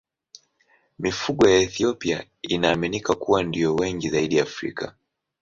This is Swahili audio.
Mifugo ya Ethiopia inaaminika kuwa ndiyo wengi zaidi Afrika.